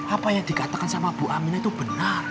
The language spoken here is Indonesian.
apa yang dikatakan sama bu amin itu benar